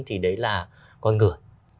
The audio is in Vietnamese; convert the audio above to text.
thì đấy là con ngựa